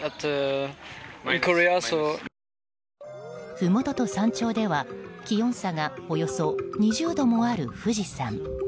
ふもとと山頂では、気温差がおよそ２０度もある富士山。